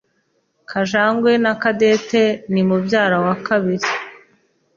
Kajangwe Na Cadette ni mubyara wa kabiri.